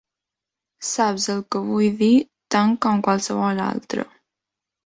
Saps el que vull dir tant com qualsevol altre.